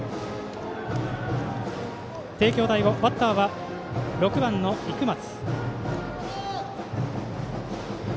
帝京第五、バッターは６番の生松。